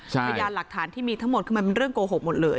พยานหลักฐานที่มีทั้งหมดคือมันเป็นเรื่องโกหกหมดเลย